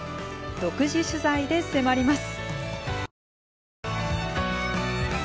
独自取材で迫ります。